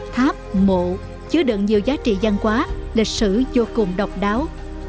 tháp mộ chứa đựng nhiều giá trị văn hóa lịch sử vô cùng độc đáo